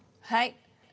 はい。